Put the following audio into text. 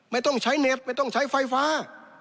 ไม่ต้องใช้เน็ตไม่ต้องใช้ไฟฟ้า